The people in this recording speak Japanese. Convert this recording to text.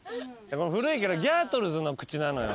古いけど『ギャートルズ』の口なのよ。